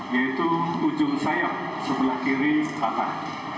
yaitu ujung sayap sebelah kiri patah